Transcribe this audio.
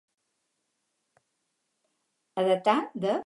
A datar de.